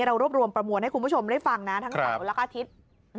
เรารวบรวมประมวลให้คุณผู้ชมได้ฟังนะทั้งเสาร์และอาทิตย์